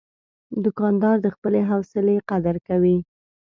دوکاندار د خپلې حوصلې قدر کوي.